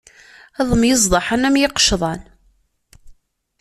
Ad myeẓḍaḥen am yiqecḍan.